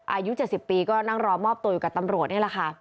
อายุ๗๐ปีก็นั่งรอมอบตัวอยู่กับตำรวจนี่แหละค่ะ